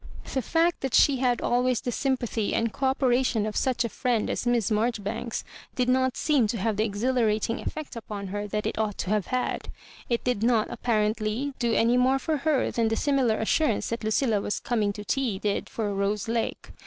The fact that she had always the sympathy and co operation of such a fhend as Miss Marjori banks, did not seem to have the exhilarating ef fect upon her that it ought to have had. It did not apparently do any more for her than the "^ similar assurance that Lucilla was coming to tea did for Rose Lake.